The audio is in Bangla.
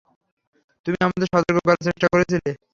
তুমি আমাদের সতর্ক করার চেষ্টা করেছিলে।